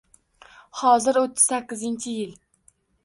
Hozir oʻttiz sakkizinchi yil